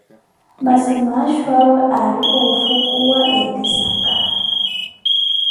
Masi maaxho awe aari oofhukuwa, ekesaka.